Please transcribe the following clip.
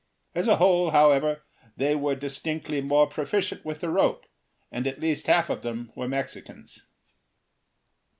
As a whole, however, they were distinctly more proficient with the rope, and at least half of them were Mexicans.